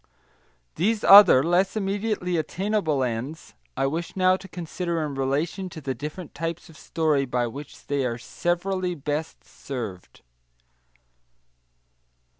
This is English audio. These other, less immediately attainable ends, I wish now to consider in relation to the different types of story by which they are severally best served.